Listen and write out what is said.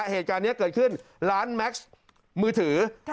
เหตุการณ์นี้เกิดขึ้นร้านแม็กซ์มือถือ